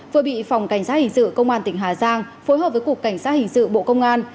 vừa bị phòng cảnh sát hình sự công an tỉnh hà giang phối hợp với cục cảnh sát hình sự bộ công an